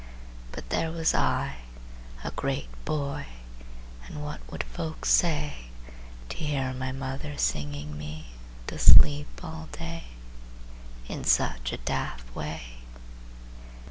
But there was I, a great boy, And what would folks say To hear my mother singing me To sleep all day, In such a daft way?